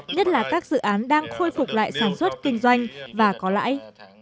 nhất là các dự án đang khôi phục lại sản xuất kinh doanh và có lãi